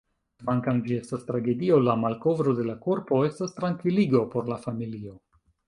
Kvankam ĝi estas tragedio, la malkovro de la korpo estas trankviligo por la familio.